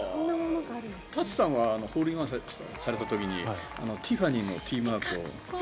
舘さんがホールインワンされた時にティファニーのティーマークを。